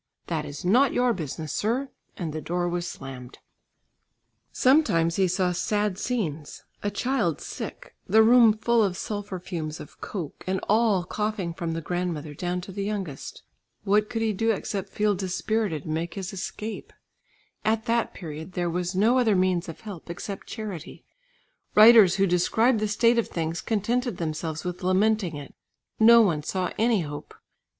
"That is not your business, sir," and the door was slammed. Sometimes he saw sad scenes, a child sick, the room full of sulphur fumes of coke, and all coughing from the grandmother down to the youngest. What could he do except feel dispirited and make his escape? At that period there was no other means of help except charity; writers who described the state of things, contented themselves with lamenting it; no one saw any hope.